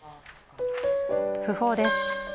訃報です。